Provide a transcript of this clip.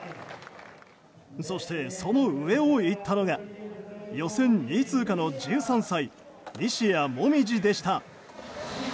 そして、その上をいったのが予選２位通過の１３歳西矢椛でした。